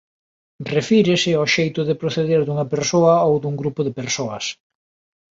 Refírese ao xeito de proceder dunha persoa ou dun grupo de persoas.